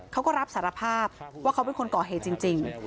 เขาก็รับสารภาพว่าเขาเป็นคนก่อเหตุจริง